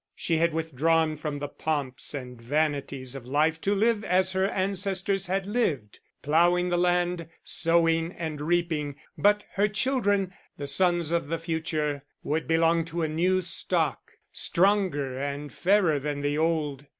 She had withdrawn from the pomps and vanities of life to live as her ancestors had lived, ploughing the land, sowing and reaping; but her children, the sons of the future, would belong to a new stock, stronger and fairer than the old.